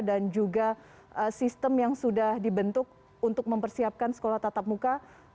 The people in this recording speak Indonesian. dan juga sistem yang sudah dibentuk untuk mempersiapkan sekolah tatap muka